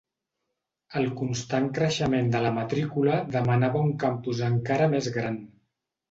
El constant creixement de la matrícula demanava un campus encara més gran.